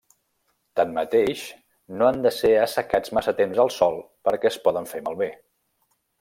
Tanmateix, no han de ser assecats massa temps al sol perquè es poden fer malbé.